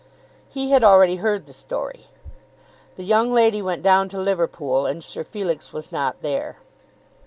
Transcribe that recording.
He had already heard the story. "The young lady went down to Liverpool, and Sir Felix was not there."